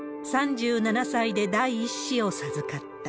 ３７歳で第１子を授かった。